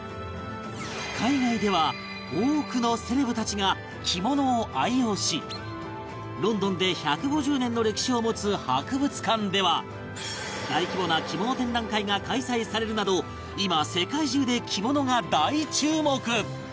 海外では多くのセレブたちが着物を愛用しロンドンで１５０年の歴史を持つ博物館では大規模な着物展覧会が開催されるなど今世界中で着物が大注目！